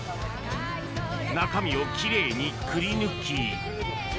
中身をきれいにくりぬき。